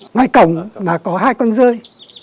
ngoài cổng là có hai con rơi